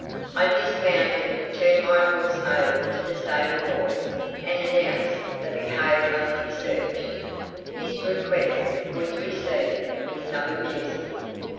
I dismounted, turned my horse over to the stable boy, and announced that the cave must be searched. This request was received with some amusement.